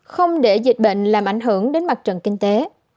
không để dịch bệnh làm ảnh hưởng đến mặt trận kinh tế